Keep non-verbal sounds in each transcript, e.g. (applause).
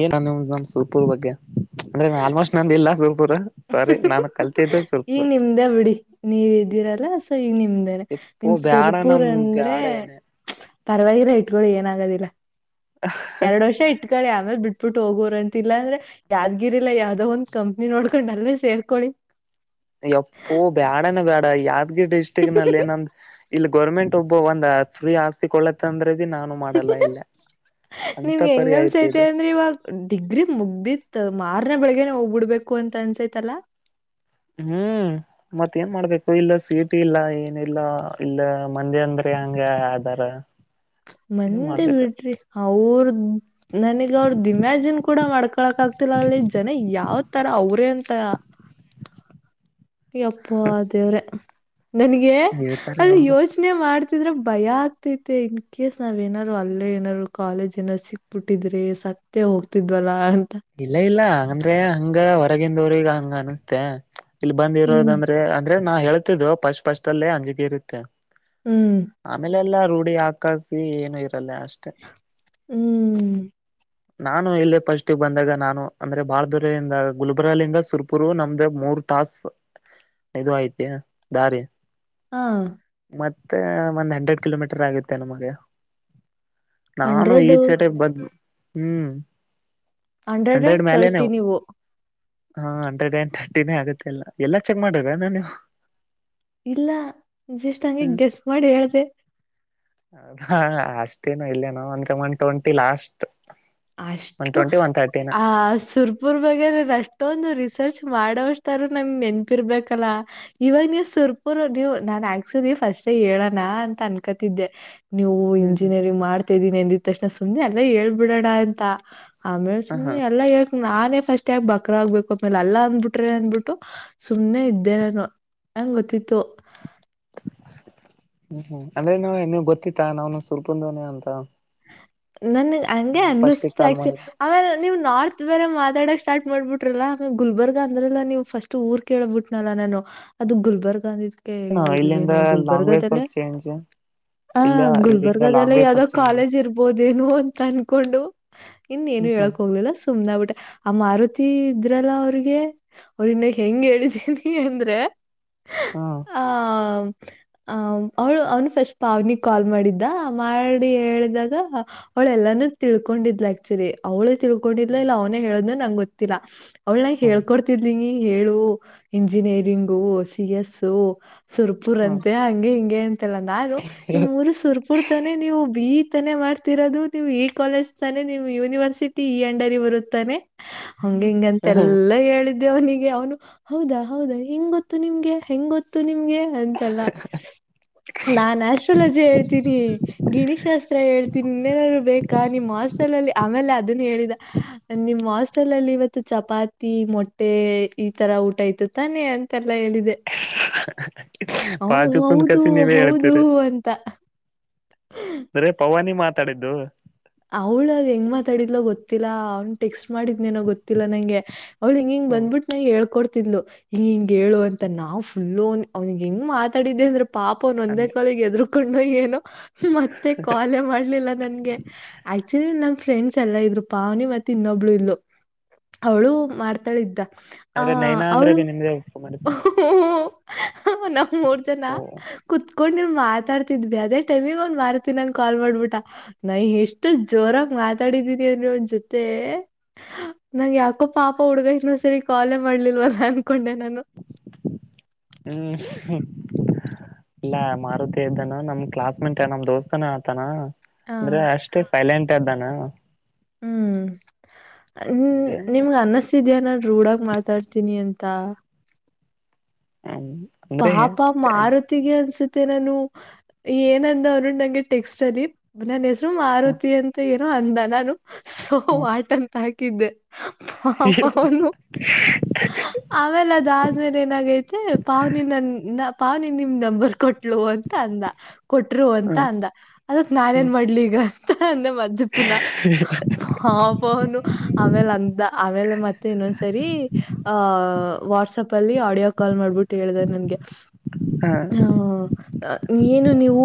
ಏ ನ ಸೋಲ್ಪೂರ್ ಬಗ್ಗೆ ಅಂದ್ರೆ ಆಲ್ಮೋಸ್ಟ್ ನಂದ ಇಲ್ಲಾ ಸುಲ್ಪೂರ್ ಸಾರಿ ನಾನು ಕಲ್ತಿದ್ದ ಸ್ವಲ್ಪ ನಿಮ್ದೆ ಬಿಡಿ ನೀವ್ದೀರಲ್ಲ ಸೊ ಈಗ ನಿಮ್ದೇನೆ ಎಪ್ಪೋ ನಿಮ್ ಬ್ಯಾಡ ಸುರ್ಪುರ್ ನಮ್ ಅಂದ್ರೆ ಬ್ಯಾಡನೆ ಪರವಾಗಿಲ್ಲ ಇಟ್ಕೊಳ್ಳಿ ಏನಾಗೋದಿಲ್ಲ ಎರಡು ವರ್ಷ ಇಟ್ ಇಟ್ಗಳು ಯಾವ್ಯಾರ್ ಬಿಟ್ಬಿಟ್ಟ ಹೋಗೋರ್ ಅಂತಿಲ್ಲ ಅಂದ್ರೆ ಯಾವ್ಿರಿಲಾ ಯಾವ್ದೋ ಒಂದ್ ಕಂಪ್ನಿ ನೋಡ್ಕೊಂಡ್ ಅಲ್ಲೇ ಸೇರ್ಕೊಳ್ಳಿ ಎಪ್ಪೋ ಬೇಡಾನ ಬೇಡ ಯಾದಗಿರಿ ಡಿಸ್ಟ್ರಿಕ್ ನಲ್ಲಿ ಏನಂದ ಇಲ್ಲಿ ಗೋರ್ಮೆಂಟ್ ಒಬ್ಬ ಒಂದ ಫ್ರೀ ಆಸ್ತಿ ಕೊೊಳ್ಳತ್ತ ಅಂದ್ರದ ನಾನು ಮಾಡಲ್ಲ ಎಲ್ಲ ಅಂತ ನಿಮ್ಗೆ ಹೆಂಗ ಪರಿ ಆಯ್ತು ಅನ್ಸೈತೆ ಇದು ಅಂದ್ರೆ ಇವಾಗ ಡಿಗ್ರಿ ಮುಗ್ದಿತ್ ಮಾರ್ನೆ ಬೆಳಗ್ನೆ ಹೋಗ್ಬಿಡ್ಬೇಕು ಅಂತ ಅನ್ಸೈತಲ್ಲಾ ಹ್ಮ್ ಮತ್ ಏನ್ ಮಾಡ್ಬೇಕು ಇಲ್ಲ ಸೀಟಿ ಇಲ್ಲ ಏನಿಲ್ಲ ಇಲ್ಲ ಮಂದಿ ಅಂದ್ರೆ ಹಗೆ ಅಾರ (unintelligible) ಮಂದೆ ಬಿಡ್ರಿ ಅವ್ರ ನನಗ್ ಅವ್ರ್ದ ಇಮ್ಯಾಜಿನ್ ಕೂಡ ಮಾಡ್ಕೊಳಕ್ ಆಗ್ತಿಲ್ಲ ಅಲ್ಲಿ ಜನ ಯಾವ ತರ ಅವ್ರೇ ಅಂತ ಈಗ ಅಪ್ಪ ದೇವ್ರೆ ನನಗೆ ಹೇಳ್ತಾರೆ ಅದು ಅವ್ರು ಯೋಚನೆ ಪ್ರನೆ ಮಾಡ್ತಿದ್ರೆ ಭಯ ಆಗ್ತೈತೆ ಇನ್ ಕೇಸ್ ನಾವ ೇನಾದಾರರು ಅಲ್ಲೇ ಏನಾರರು ಕಾಲೇಜ್ ಏನ್ರು ಸಿಕ್ತ ಪುಟ್ಟಿದ್ರೆ ಸತ್ತ ಹೋಗ್ತಿದ್ವಲ್ಲಾ ಅಂತ ಇಲ್ಲ ಇಲ್ಲ ಹಂಗಂದ್ರೆ ಹಂಗ ಹೊರಗಿಂದವ್ರಗ ಹಂಗ ಅನಸ್ತೆ ಇಲ್ಲಿ ಬಂದ್ ಹ್ಮ್ ಇರೋದಂದ್ರೆ ಅಂದ್ರೆ ನಾ ಹೇಳ್ತಿದ್ದು ಫಸ್ಟ್ ಪಫಸ್ಟ್ ಅಲ್ಲೇ ಅಂಜಿಕಿ ಇರುತ್ತೆ ಹ್ಮ್ ಆಮೇಲೆ ಎಲ್ಲ ರೂಢಿ ಹಾಕಸಿ ಏನು ಇರಲ್ಲ ಅಷ್ಟೆ ಹ್ಮ್ ನಾನು ಇಲ್ಲೇ ಪಸ್ಟ್ ಬಂದಾಗ ನಾನು ಅಂದ್ರೆ ಬಾಳದರ್ಿಂದ ಗುಲ್ಬರಾಲಿಂದ ಸುರ್ಪುರು ನಮ್ದ ಮೂರ್ ತಾಾಸ ಇದು ಐ್ತಿ ದಾರಿ ಹಾ ಮತ್ತೆ ಒಂದ್ ಹಂಡ್ರೆಡ್ ಕಿಲೋಮೀಟರ್ ಆಗುತ್ತೆ ನಮಗೆ ನಾನು ಹಂಡ್ರೆಡ್ ಈಚಟ ಬದ್ ಹ್ಮ್ ಹಂಡ್ರೆಡ್ ಅಂಡ್ ತರ್ಟಿ ಮೇಲೆನೆವು ನೀವು ಹಾ ಹಂಡ್ರೆಡ್ ಅ್ಯಂಡ್ ತರ್ಟಿನೇ ಆಗುತ್ತೆಲ್ಲ ಎಲ್ಲ ಚೆಕ್ ಮಾಡಿದರ ನಾ ನೀವು ಇಲ್ಲ ಜಸ್ಟ್ ಹಂಗೆ ಗೆಸ್ ಮಾಡಿ ಹೇಳ್ದ ಅ ಅಷ್ಟೇನು ಇಲ್ಲೇನ ಅಂದ್ರೆ ಒನ್ ಟ್ವೆಂಟಿ ಲಾಸ್ಟ್ ಒನ್ ಅಷ್ಟು ಟ್ವೆಂಟಿ ಒನ್ ತರ್ಟಿನ ಆ ಸುರ್ ಇಬರ ಬಗ್ ಅಷ್ಟೊಂದು ರಿಸರ್ಚ್ ಮಾಡೋವಷ್ಟಾರರು ನಮ್ಗೆ ನೆನ್ಪಿರ್ಬೇಕಲ್ಲ ಇವಾಗ ನೀವು್ ಸುರ್ಪುರ್ ನೀವು್ ನಾನ್ ಆಕ್ಚುಲಿ ಫಸ್ಟ್ೇ ಹೇಳೋಣ ಅಂತ ಅನ್ಕತಿದ್ದೆ ನೀವು ಹ್ಮ್ ಹ್ಮ್ ಇಂಜಿನಿಯರಿಂಗ್ ಮಾಡ್ತಾ ಇದ್ದೀನಿ ಎಂದಿದ ತಕ್ಷಣ ಸುಮ್ಮನೆ ಅಲ್ಲೇ ಹೇಳ್ಬಿಡಣ ಅಂತ ಆಮೇಲೆ ಹ ಹಾ ಸುಮ್ಮನೆ ಎಾ ಯಾಕ್ ನಾನೇ ಫಸ್ಟ್ ಯಾಕ್ ಬಕ್ರ ಆಗ್ಬೇಕು ಆ್ಮೇಲೆ ಅಲ್ಲಾ ಅಂದ್ಬಿಟ್ರೆ ಅಂದ್ಬಿಟ್ಟು ಸುಮ್ನೆ ಇದ್ದೇರ ಹೆಂಗ ಗೊತ್ತಿತ್ತು ಹ್ಮ ಹ್ಮ್ ಅಂದ್ರೆ ನಾವ ಇನ್ನು ಗೊತ್ತತ್ತ ನಾವ್ನು ಸ್ವಲ್ಪಂದವನ ಅಂತ ನನ್ ಹಂಗೆ ನಾನು ಫಸ್ಟಿಗೆ ಅನ್ನಿಸ್ತ ಕಾಲ್ ಆಕ್ಚು ಮಾಡಿದ್ದೆ ಆಮೇಲೆ ನೀವು ನಾರ್ತ್ ಬೇರೆ ಮಾತಾಡಕ್ ಸ್ಟಾರ್ಟ್ ಮಾಡ್ಬಿಟ್ರಲ್ಲ ಆಮೇ ಗುಲ್ಬರ್ಗ್ಗ ಅಂದ್ರಲ್ಲ ನೀವುಫಸ್ಟ್ ಅಷ್ಟು ಊರ್ ಕೇಳಬಿಟ್ನಲ್ಲಾ ನಾನು ಅದು ಗುಲ್ಬರ್ಗ ಅಂದಿದ್ ಇಲ್ಲಿಂದ ಇಲ್ವೇನುೋ ಲಾಂಗ್ ವೇ ಗುಲ್ಬರ್ಗದಲ್ಲೇ ಸ್ವಲ್ಪ ಚೇಂಜ್ ಹ ಇಲ್ಲ ಇಲ್ಲಿಂದ ಗುಲ್ಬರ್ಗದೆಲ್ಲ ಲಾಂಗ್ ವೇ ಯಾವ್ದೋ ಸ್ವಲ್ಪ ಚೇಂಜ್ ಕಾಲೇಜ್ ಇರ್ಬೋದು ೇನು ಅಂತ ಅನ್ಕೊಂಡು ಇನ್ನ ಏನು ಹ್ಮ್ ಹ್ಮ್ ಹೇಳಕೋ ೋಗಲಿಲ್ಲ ಸುಮ್ನೆ ಬಿಟ್ಟೆ ಆ ಮಾರುತಿ ಇದ್ರಲ್ಲ ಅವ್ರಿಗೆ ಅವ್ರ ಇನ್ನ ಹೆಂಗ್ ಹೇಳತಿ ಅಂದ್ರೆ ಹಾ ಹ ಆ ಅವಳು ಅವ್ನು ಫಸ್ಟ್ ಪಾವನಿ ಕಾಲ್ ಮಾಡಿದ್ದ ಮಾಡಿ ಹೇಳಿದಾಗ ಅವಳ ಎಲ್ಲಾನೂ ತಿಳ್ಕೊಂಡಿದ್ ಆಕ್ಚುಲಿ ಅವಳೇ ತಿಳ್ಕೊಂಡಿದಲ ಇಲ್ಲ ಹ್ಮ ಅವನ ಹೇಳ್ ನಂಗ್ ಗೊತ್ತಿಲ್ಲ ಅವ್ಳನ ಹೊಡ್ ಿ ಹೇಳು ಇಂಜಿನಿಯರಿಂಗು ಸಿ ಎಸ್ ಸುರ್ಪುರ್ ಹ್ಮ ಅಂತೆ ಹಂಗೆ ಹಿಂಗೆ ಅಂತೆಲ್ಲ ನಾನು ನಿಮ್ಮ್ ಊರು ಸುರ್ಪು ಕುಡ್ತಾನೆ ನೀವು ಬೀ ತಾನೆ ಮಾಡ್ೀ ರೋದು ನೀವು್ ಈ ಕಾಲೇಜ್ ತಾನೆ ನಿಮ್ ಯೂನಿವರ್ಸಿಟಿ ಈ ಅಂಡರಿ ಬರುತ್ತಾನೆ ಹಂಗ ಹಿಂಗಂತೆ ಎಲ್ಲ ಹೇಳಿದ್ದೆ ಅವನಿಗೆ ಅವನು ಹೌದಾ ಹೌದಾ ಹೆಂಗ ಗೊತ್ತು ನಿಮ್ಗೆ ಹೆಂಗ ಗೊತ್ತು ಇತ್ತು ನಿಮ್ಗೆ ಅಂತೆಲ್ಲ ನಾನ್ ಆಸ್ಟ್ರೋಲಜಿ ಹೇಳ್ತೀನಿ ಗಿಣಿತ್ಶಾಸ್ತ್ರ ಹೇಳ್ತಿ ತಿನ್ನೇನರು ಬೇಕಾ ನಿಮ್ ಮಾಸ್ಟಲ್ಲ್ಲಿ ಆಮೇಲೆ ಅದನ್ನ ಹೇಳಿದ ನಿಮ್ಸ್ ಹಟಲಲ್ಲಿ ಇವತ್ತು ಚಪಾತಿ ಮೊಟ್ಟೆ ಈ ತರ ಊಟ ಇತ್ತು ತಾನೆ ಅಂತೆಲ್ಲಾ ಹೇಳಿದೆ ಅವ ಬಾಜು ಕುಂದ್ ಹೌದು ಕಸಿ ಹೌದು ಅಂತ ಅ್ರೆ ಪವಾನಿ ಮಾತಾಡಿದ್ದು ಅವ್ಳ ಅ್ ಹೆಂಗ್ ಮಾತಾಡಿದ್ಲ ಗೊತ್ತಿಲ್ಲಾಂ ಟೆಕ್ಸ್ಟ್ ಮಾಡಿದ್ನೇನೋ ಗೊತ್ತಿಲ್ಲ ನಂಗೆ ಅವ್ಳು ಹಿಂಗ ಹಿಂಗ ಹ್ಮ್ ಬಂದ್ಬಿಟ್ಟು ನಂಗೆ ಹೇಳ್ಕೊಡ್ತಿದ್ಲು ಹಿಂ ಹಿಂಗ ಹೇಳು ಅಂತ ನಾವು ಫುಲ್ಲು ಅವ್ನಿಗೆ ಹೆಂಗ ಮಾತಾಡಿದ್ದೆ ಅಂದ್ರೆ ಪಾಪ ಅವನ ಒಂದೇ ಅಂದೆ ಕಾಲಗೆ ಎದರು ಕಕೊಂಡು ಏನು ಮತ್ತೆ ಕಾಲ ಮಾಡ್ಲಿಲ್ಲ ನನ್ಗೆ ಆಕ್ಚುಲಿ ನನ್ ಫ್ರೆಂಡ್ಸ್ ಎಲ್ಲ ಇದ್ರು ಪಾವನಿ ಮತ್ತೆ ಇನ್ನೊಬ್ಳು ಇಲ್ಲು ಅವಳು ಮಾಡ್ತಾಳ ಇದಿದ್ದ ಅ್ರೆೈನ ಅಂದ್ರೆ ಬಿ ನಿಮ್ದೇ ಉಪ್ಪು ಮಾಡಸ ಹ್ಮ ನಮ್ಮ ಮೂರ್ ಜನ ಕುೂತ್ಕೊಂಡ್ ನೀವ್ ಮಾತಾಡ್ತಿದ್ವಿ ಅದೇ ಟೈಮಗ್ ಒಂದ್ ಮಾರ್ತ ನಂಗಗೆ ಕಾಲ್ ಮಾಡ್ಬಿಟ್ಟ ನಾ ಎಷ್ಟು ಜೋರಾಗ ಮಾತಾಡಿದೀನಿ ಅನ್ ಒನ್ ಜೊತೆ ನಂಗ ಯಾಕೋ ಪಾಪ ಹುಡ್ಗ ಇನ ಸರಿ ಕಾಲೇ ಮಾಡ್ಲಿಲ್ವಲ್ಲ ಅನ್ಕೊಂಡೆ ನಾನು ಹ್ಮ ಇಲ್ಲ ಮಾರುತಿ ಇದ್ದಾನ ನಮ್ ಕ್ಲಾಸ್ ಮೇಟ್ ನಮ್ ದೋಸ್ತಾನ ಆತಾನ ಹ ಅಂದ್ರೆ ಅಷ್ಟೇ ಸೈಲೆಂಟ್ ಅ್ದಾನ ಹ್ಮ್ ನಿಮ್ಗ ಅನ್ನಿಸತ ಇದ್ಯಾ ನಾನು ರೂಢಾಗ ಮಾತಾಡ್ತೀನಿ ಅಂತ ಹ ಪಾಪಾ ಮಾರ ಅನ್ಸುತ್ತೆ ನಾನು ಏನಂದ ಅವ್ ನಂಗೆ ಟೆಕ್ಸ್ಟ್ ಅಲ್ಲಿ ನ ಮಾರುತಿ ಅಂತ ಏನೋ ಅಂದ ನಾನು ಸೋ ಹ್ಮ ಆಟಂತ ಹಾಕಿದ್ದೆ ಹ ಪನು ಆಮೇಲೆ ದಾಜ ಮೇಲೆನಗೈತೆ ಪಾವನಿ ನನ್ನ ಪಾವನಿ ನಿಮ್ ನಂಬರ್ ಕೊಟ್ಟ ಅಂತ ಅಂದ ಕೊಟ್ರು ಅಂತ ಹ ಅಂದ ಅದಕ್ ನಾನೇಏನ್ ಹ್ಮ್ ಮಾಡ್ಲಿ ಈಗ ಅಂತ ಅಂದ ಮದ್ ಚಪ್ಪನ ಹಾ ಬೌನು ಆಮೇಲೆ ಅಂತ ಆಮೇಲೆ ಮತ್ತೆ ಇನ್ನೊಂದ್ಸರಿ ಆಹ ವಾಟ್ಸ್ಪ್ ಅಲ್ಲಿ ಆಡಿಯೋ ಕಾಲ್ ಮಾಡ್ಬಿಟ್ಟು ಹೇಳಿದಾರೆ ನನ್ಗೆ ಹಾ ಏನು ನೀವು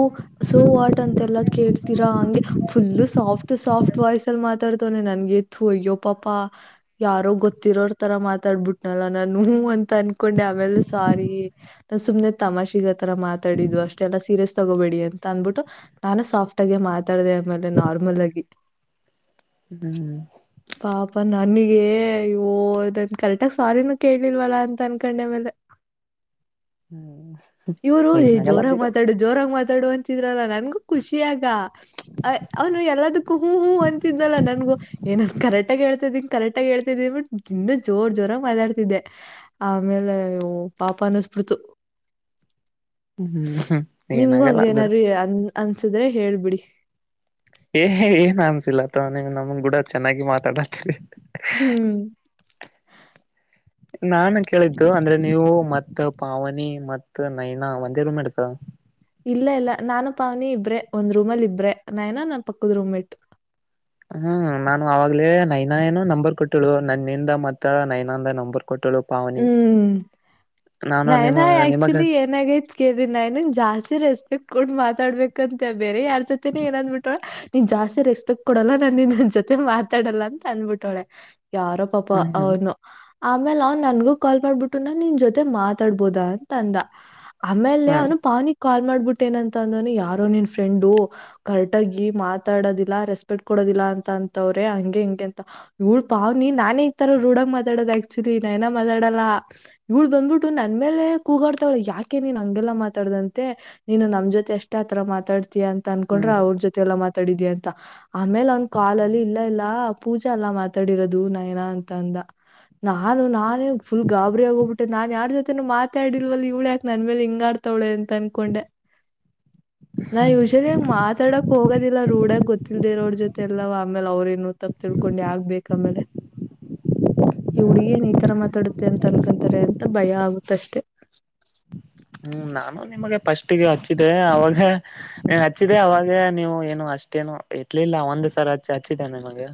ಸೋವಾಟ್ ಅಂತೆಲ್ಲಾ ಕೇಳ್ತೀರಾ ಹಂಗೆ ಫುಲ್ಲು ಸಾಫ್ಟ್ ಸಾಫ್ಟ್ ವಾಯ್ಸ ಅಲ್ಲಿ ಮಾತಾಡ್ತವನನೆ ನನ್ಗೆಿತ್ತು ಅಯ್ಯೋ ಪಾಪಾ ಯಾರೋ ಗೊತ್ತಿರೋರ್ ತರ ಮಾತಾಡ್ಬಿಟ್ನಲ್ಲ ನಾನು ಅಂತ ಅನ್ಕೊಂಡೆ ಆಮೇಲೆ ಸಾರಿ ನ ಸು್ನೆ ತಮಾಷೆಗ ಆ ತರ ಮಾತಾಡಿದ್ದು ಅಷ್ಟೆಲ್ಲಾ ಸೀರಿಯಸ್ ತಗೋಬೇಡಿ ಅಂತ ಅಂದ್ಬಿಟ್ಟು ನಾನು ಸಾಫ್ಟ್ ಆಗೇ ಮಾತಾಡ್ದ ಆಮೇಲೆ ನಾರ್ಮಲ್ ಆಗಿ ಹ್ಮ್ ಪಾಪ ನನಗ ಇೋ ಅದನ್ ಕರೆಟಗ ಸಾರಿನೂ ಕೇಳಲಿಲ್ವಲ್ಲ ಅಂತ ಅನ್ಕೊಂಡೆ ಮೇಲೆ ಹ್ಮ್ ಇವರು ಏ ಏನಾಗಲ್ಲ ಜೋರಾಗ ಬಿಡು ಮಾತಾಡು ಜೋರಾಗ ಮಾತಾಡುುವ ಅಂತ ಅಿದ್ರಲ್ಲ ನನ್ಗು ಖುಷಿಿಯಗ ಅ ಅವ್ನು ಎಲ್ಲದಕ್ಕೂ ಹೂ ಹೂ ಅಂತಿದ್ದಲ್ಲ ನನ್ಗೂ. ಏನಂದ್ ಕರೆಕ್ಟ ಆಗ ಹೇಳ್ತಾ ಇದೀಿ ಕರೆಕ್ಟ ಆಗ ಹೇಳ್ತ ಇದಿದಿನಿಟ್ ಇನ್ನ ಜೋರ್ ಜೋರಗ್ ಮಾತಾಡ್ತಿದ್ದೆ ಆಮೇಲೆ ಪಾಪ ಅನ್ನಿಸಬಿಡ್ತು. ಹ್ಮ್ ಹ್ಮ್ ನಿಮ್ಗೂ ಏನಾಗಲ್ಲ ಬಿಡು ಹಂಗೇನಾದರು ಅನ್ ಅನ್ಸಿದ್ರೆ ಹೇಳ್ಬಿಡಿ ಏ ಏನ್ ಅನ್ಸಿಲ್ಲತ್ತ ನಿ ನಮನ್ ಕೂಡ ಚೆನ್ನಾಗಿ ಮಾತಾಡಾಡ್ತರಿ ಹ್ಮ್ ನಾನು ಕೇಳಿದ್ದು ಅಂದ್ರೆ ನೀವು ಮತ್ ಪಾವನಿ ಮತ್ತ್ ನೈನಾ ಒಂದೇ ರೂಮ್ ಮೆಟ್ಸ್ ಇಲ್ಲ ಇಲ್ಲ ನಾನು ಪಾವನಿ ಇಬ್ರೆ ಒಂದ್ ರೂಮಲ್ಲಿ ಇಬ್ರೆ ನಾೇನ ನನ್ ಪಕ್ಕದ ರೂಮ್ಮೇಟ್ ಹ್ಮ್ ನಾನು ಅವಾಗ್ಲೇ ನೈನ ಏನ ನಂಬರ್ ಕೊಟ್ಟಳು ನನ್ನಿಂದ ಮತ್ತ ನೈನಂದ ನಂಬರ್ ಕೊಟ್ಟಳು ಪಾವನಿ ಹ್ಮ್ ನಾನು ನ್ ನಿಮ ನ ನಿಮಗ ಆಕ್ಚುಲಿ ಏನಗೈತ್ ಕೇಳರಿ ನನನ್ ಜಾಸ್ತಿ ರೆಸ್ಪೆಕ್ಟ್ ಕೊು ಮಾತಾಡ್ಬೇಕಂತ ಬೇರೆ ಯಾರ್ ಜೊತೆಿನೇ ಏನ ಅಂದ್ಬಿಟ್ಟಳ. ನೀನ್ ಜಾಸ್ತಿ ರೆಸ್ಪೆಕ್ಟ್ ಕೊಡಲ್ಲ ನನ್ನ ಜೊತೆ ಮಾತಾಡಲ್ಲ ಅಂತ ಅಂದ್ಬಿಟ್ಟಳೆ ಯಾರಪ್ಪ. ಪಾಪ ಹ್ಮ್ ಹ್ಮ್ ಅವನು ಆಮೇಲೆ ಅವನು. ನನ್ಗೂ ಕಾಲ್ ಮಾಡ್ಬಿಟ್ಟು ನ ನಿನ್ ಜೊತೆ ಮಾತಾಡ್ಬೋದ ಅಂತ ಅಂದ ಆಮೇಲೆ ಹ್ಮ್ ಅವನು ಪಾನಿ. ಕಾಲ್ ಮಾಡ್ಬಿಟ್ಟ ಏನಂತ ಅಂದಾನ ಯಾರೋ ನಿನ್ ಫ್ರೆಂಡು. ಕರೆಟ್ಗಿ ಮಾತಾಡೋದಿಲ್ಲಾ ರೆಸ್ಪೆಕ್ಟ್ ಕೊಡೋದಿಲ್ಲಾ ಅಂತ ಅಂತವ್ರೆ ಹಂಗೆ ಹಿಂಗೆ ಅಂತ. ಹಡ್ಪಾವ್ ನೀ ನಾನೇ ಇತಾರ ರೂಡಕ್ ಮಾತಾಡೋದ ಆಕ್ಚುಲಿ ನೈನ ಮಾತಾಡಲ್ಲ. ಇವಳು ಬಂದ್ಬಿಟ್ಟು ನನ್ ಮೇಲೆ ಕೂಗಾಡ್ತಾವಳೆ ಯಾಕೆ ನೀನ್ ಹಂಗೆಲ್ಲಾ ಮಾತಾಡ್ದಂತೆ. ನೀನ್ ನಮ್ ಜೊತೆ ಎಷ್ಟ್ ಆತರ ಮಾತಾಡ್ತೀಯಂತ. ತಂದಕೊಂಡ್ರೆ ಹ್ಮ್ ಅವ್ರ ಜೊತೆ ಎಲ್ಲಾ ಮಾತಾಡಿದಿ ಅಂತ ಆಮೇಲೆ ಅವನ್ ಕಾಲಲ್ಲಿ ಇಲ್ಲ ಇಲ್ಲ. ಪೂಜಾ ಎಲ್ಲಾ ಮಾತಾಡಿರೋದು ನಯನ ಅಂತ ಅಂದ. ನಾನು ನಾನೇ ಫುಲ್ಾಬರಿ ಆಗ ಹೋಗ್ಬಿಟ್ಟೆ ನು ಯಾರ ಜೊತೆೇನು ಮಾತಾಡಿಲ್ವ ಇ್ಳ ಯಾಕೆ ನನ್ನ ಮೇಲೆ ಹಿಂಗ ಆಡ್ತವಳ ಅಂದ. ಕೊಂಡೆ ನಾ ಯುಷದ ಮಾತಾಡ ಹೋಗೋದಿಲ್ಲ ರೂಡಾಗ ಗೊತ್ತಿಲ್ಲದಿರೋ ಅವ್ರ ಜೊತೆ ಎಲ್ಲ ಆಮೇಲೆ ಅವ್ರ ಏನು ತಪ್ಪಪ್ ತಿಳ್ಕೊಂಡ್ ಯಾಗ್ ಬೇಕಕ್ ಆಮೇಲೆ (unintelligible) ಈ ಹುಡುಗಿಯರು ಈ ತರ ಮಾತಾಡ ಅಂತ ಅನ್ಕೊಂತಾರೆ ಅಂತ ಭಯ ಆಗುತ್ತ ಅಷ್ಟೇ. ಹ್ಮ್ ನಾನು ನಿಮಗೆ ಪಫಸ್ಟ್ಿಗೆ ಹಚ್ಚಿದೆೆ ಅವಾಗೆ. ನೀ ಹಚ್ಚಿದೆ ಅವಾಗ ನೀವು ಏನು ಅಷ್ಟೇನು ಇಟ್ಲಿಲ್ಲ ಒಂದ್ ಸರ್ ಹಚ್ಚಿ ಹಚ್ಚಿದೆ ನಿಮಗೆ.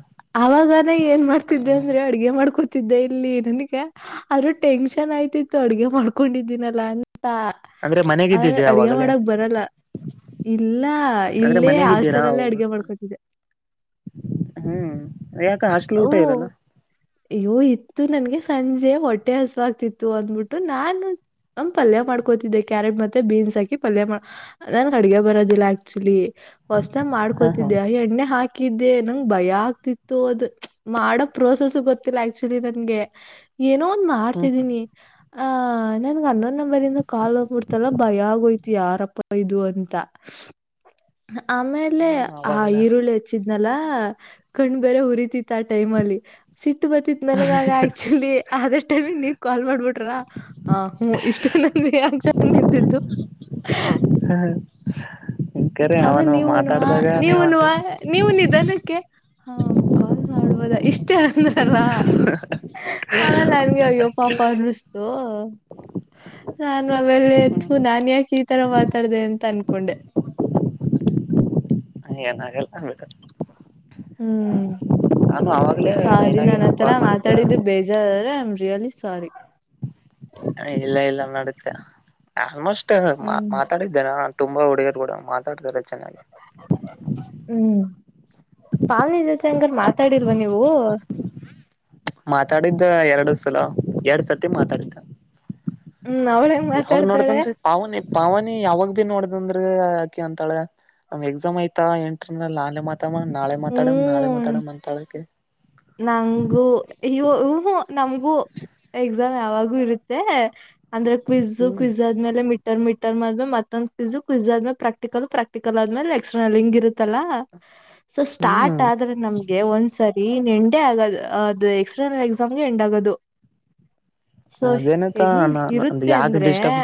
ಅವಾಗಾನ ಏನ್ ಮಾಡ್ತಿದ್ದೆ ಅಂದ್ರೆ ಅಡ್ಗೆ ಮಾಡ್ಕೋತಿದ್ದೆ ಇಲ್ಲಿ ನನಗೆ. ಆದ್ರರು ಟೆನ್ಷನ್ ಆಯ್ತಿತ್ತು ಅಡ್ಗೆ ಮಾಡ್ಕೊಂಡಿದ್ದೀನಲ್ಲ ಅಂತ. ಅಂದ್ರೆ ಅದರೆ ಮನೆಗಿದ್ದಿದ್ದೆ ಅಡ್ಗೆ ಅವಾಗಲೇ ಮಾಡಕ್ ಬರಲ್ಲ. ಇಲ್ಲ ಅಂದ್ರೆ ಇಲ್ಲೇ ಮನೆಗಿದ್ದೀರಾ ಹಾಸ್ಟೆಲ್ಲ್ಲೇ ಅವಾಗ ಅಡಗೆ ಮಾಡ್ಕೊತಿದೆ. ಹ್ಮ್ ಯಾಕ ಹಸ್ಲು ಊಟ ಹ್ಮ್. ಇರಲ್ಲ. ಅಯ್ಯೋ ಇತ್ತು ನನ್ಗೆ ಸಂಜೆ ಹೊಟ್ಟೆ ಹಸವಾಗ್ತಿತ್ತು ಅಂದ್ಬಿಟ್ಟು ನಾನು. ನಮ ಪಲ್ಯ ಮಾಡ್ಕೋತಿದ್ದೆ ಕ್ಯಾರೆಟ್ ಮತ್ತೆ ಬೀನ್ಸ್ ಹಾಕಿ ಪಲ್ಯ ಮಾಡ್. ನನ್ ಅಡ್ಗೆ ಬರೋದಿಲ್ಲ ಆಕ್ಚುಲಿ ಹೊಸ್ದ ಹಾ ಹಾ ಮಾಡ್ಕೋತಿದ್ದ್ಯಾ ಎಣ್ಣೆ ಹಾಕಿ. ಹಾಕಿದ್ದೆ ನಂಂಗಗೆ ಭಯ ಆಗ್ತಿತ್ತು ಅದ್ ಮಾಡೋ ಪ್ರೋಸೆಸ್ ಗೊತ್ತಿಲ್ಲ ಆಕ್ಚುಲಿ ನಂಗೆ ಏನೋ ಒಂದ ಹ್ಮ್ ಮಾಡ್ತಿದೀನಿ. (unintelligible) ಆ ನನ್ ಹನ್ನೊಂದ ನಂಬರಿಂದ ಕಾಲ್ ಹೋಗಬಿಡ್ತಲ್ಲ ಭಯಾಗೋಯ್ತಿು ಯಾರಪ್ಪ ಇದು ಅಂತ. ಆಮೇಲೆ ಅಲ್ಲೇ ಹ್ಮ್ ಆ ಅವಾಗಲ್ಲ ಈರುಳ್ಳಿ ಹಚ್ಚಿದ್ನಲ್ಲ ಕಣ್ ಬೇರೆ ಹುರಿತಿತ್ತ ಆ ಟೈಮ್ ಅಲ್ಲಿ. ಸಿಟ್ಟು ಬರ್ತಿತ್ ನನಗ ಆ ಆಕ್ಚುಲಿ ಅದೇ ಟೈಮಿ ನೀ್ ಕಾಲ್ ಮಾಡ್ಬಿಟ್ರ ಹಾ ಹ್ಮ್ ಇಷ್ಟೇನಲ್ರಿ ಯಾಂಗ ಚಂದ ಇದ್ದಿದ್ದು. ಹ ಆಮೇ ನೀವುನುವಾ ನೀವುನುವ ನೀವಂದು ನೀವು ನಿಿದ್ದನಕ್ಕೆ ಹಾ ಕಾಲ್ ಮಾಡಬುದ ಇಷ್ಟೇ ಅಂದಲ್ಲ ಆಮೇಲೆ ನನ್ಗೆ್ಯ ಪಾಪ ನರುಸ್ತು ನಾನು ಅವೆಲೆ ಹ್ಮ್ ಹೆತ್ು ನಾನ್ ಯಾಕೆ ಈ ತರ ಮಾತಾಡ್ದ ಅಂತ ಅನ್ಕೊಂಡೆ ಏನಾಗಲ್ಲ ಅನ್ ಹ್ಮ್ ನಾನು ಅವಾಗ್ಲೇ ನೈನಾಗನ ಕಾಲ್ ಮಾಡಿದ್ದೆ ಾದ ಐ ಆಮ್ ರಿಯಲಿ ಸಾರಿ ಹ ಇಲ್ಲ ಇಲ್ಲ ನಡುತ್ತೆ ಆಲ್ಮೋಸ್ಟ್ ಹ್ಮ್ ಮಾತಾಡ ಇದನ ತುಂಬಾ ಹುಡುಗರು ಕೂಡ ಮಾತಾಡ್ತಾರೆ ಚೆನ್ನಾಗಿ ಹ್ಮ್ ಪಾವನಿ ಜೊತೆ ಅಂಗರ್ ಮಾತಾಡಿರ್ವ ನೀವು ಮಾತಾಡಿದ್ದ ಎರಡು ಸಲ ಎರಡ್ ಸರ್ತಿ ಮಾತಾಡಿದ್ದ ಹ್ಮ್ ಅವಳ ಯಾವಾಗ ಮಾತಾಡ್ತಾಳೆ ನೋಡ್ದನ್್ರಿ ಪಾವನಿ ಪಾವನಿ ಯಾವಾಗ ಭ ನೋಡ್ದಂದ್ರ ಆಕಿ ಅಂತಾಳ ನಮ್ ಎಕ್ಸಾಮ್ ಆಯ್ತಾ ಎಂಟ್ರ ನೆ ಮಾತಾಡ ನಾಳೆ ಮಾತಾಡಮ್ ನಾಳೆ ಹ್ಮ್ ಮಾತಾಡಮ್ ಅಂತಾ ಹೇಳಕ್ಕೆ ನಂಗೂ ಇ ನಮ್ಗೂ ಎಕ್ಸಾಮ್ ಯಾವಾಗೂ ಇರುತ್ತೆ ಅಂದ್ರೆ ಕ್ವಿ್ು ಹ್ಮ್ ಕ್ವಿ್ ಆದ್ಮೇಲೆ ಮಟ್ಟ ಇಂರ್ೀಟರ್ ಮ್ಮೇ ಮತ್ತೊಂದ ಕಿಸಜು ಕ್ಿಸ್ ಆದ್ಮೇ ಪ್ರಕ್ಟಿಕಲ್ ಪ್ರಾಕ್ಟಿಕಲ್ ಆದ್ಮೇಲೆಕ್ಸ್ರ್ಲ್ ಹಿಂಗ ಇರುತ್ತಲ್ಲ ಹ ಸೊ ಸ್ಟಾರ್ಟ್ ಆದ್ರೆ ನಮ್ಗೆ ಒಂದ್ಸರಿ ಎಂಟೇ ಆಗದು ಅದು ಎಕ್ಸ್ಟರ್ನಲ್ ಎಕ್ಸಾಮ್ಗೆ ಎಂಡ್ ಆಗೋದು ಸೊ ಅದೇನತ ಹೆಂಗ ಇರುತ್ತೆ ಯಾಕ ಅಂದ್ರೆ ಡಿಸ್ಟರ್ಬ್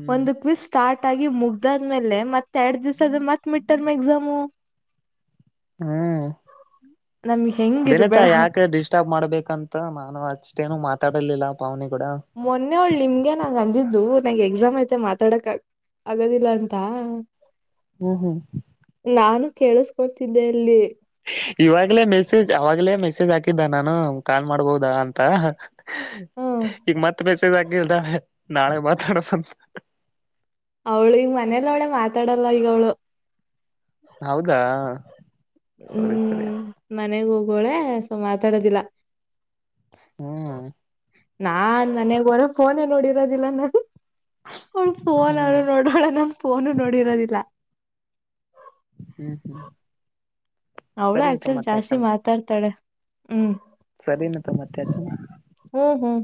ಹ್ಮ್ ಒಂದು ಕ್ವಿಿಸಸ್್ ಸ್ಟಾರ್ಟ್ ಆಗಿ ಮುಗ್ದಾದ್ಮೇಲೆ ಮತ್ತೆ ಎರಡ್ ದಿವ್ಸ ಅದ ಮತ್ ಮಿಟ್ಟರ್ ಮ ಎಕ್ಸಾಮು ಹ್ಮ್ ನಮ್ಗ್ ಹೆಂಗ್ ದಿನತಾ ಇರ್ಬೇಡ ಯಾಕಷ್ಟ ಇಷ್ಟ ಮಾಡ್ಬೇಕಂತ ನಾನು ಅಷ್ಟೇನು ಮಾತಾಡಲಿಲ್ಲ ಪಾವನಿಗೂಡ ಮೊನ್ನೆ ಒಳು ನಿಮ್ಗೆ ನಂಗ್ ಅಂದಿದ್ದು ನನಗೆ ಎಕ್ಸಾಮ್ ಐತೆ ಮಾತಾಡಕ್ಕಾಗ ಆಗದಿಲ್ಲ ಅಂತ ಹ್ಮ್ ಹ್ಮ್ ನಾನು ಕೇಳಸ್ಕೊತಿದ್ದೆ ಅಲ್ಲಿ ಇವಾಗ್ಲೇ ಮೆಸೇಜ್ ಅವಾಗ್ಲೇ ಮೆಸೇಜ್ ಹಾಕಿದ್ದ ನಾನು ಕಾಲ್ ಮಾಡ್ಬೋುದ ಅಂತ ಹ್ಮ್ ಈಗ ಮತ್ತತ್ ಮೆಸೇಜ್ ಆಗಿಲ್ದಾಳೆ ನಾಳೆ ಮಾತಾಡ ಬಂತ ಅವ್ಳು ಈಗ ಮನೇಲ್ಲ ಅವಳೆ ಮಾತಾಡಲ್ಲ ಈಗ ಅವ್ಳು ಹೌದಾ ಸರಿ ಸರಿ ಹ್ಮ್ ಮನೆಗ್ ಹೋಗೋಳೆ ಸೊ ಮಾತಾಡೋದಿಲ್ಲ ಹ್ಮ್ ನಾನ್ ನನೆಗ್ೋರ ಫೋನ ನೋಡಿರೋದಿಲ್ಲ ನು ಅವಳ ಫೋನ್ ಹ್ಮ್ ಅವರು ನೋಡೋಳ ನಮ ಫೋನು ನೋಡಿರೋದಿಲ್ಲ ಹ್ಮ್ ಹ್ಮ್ ಅವ್ಳ ಸರಿನತ ಆಕ್ಚಲ್ ಮತ್ತೆ ಜಾಸ್ತಿ ಮಾತಾಡ್ತಾಳೆ ಹ್ಮ್ ಸರಿ ನ ತ ಅತ್ತಚ ಹ್ಮ್ ಹ್ಮ್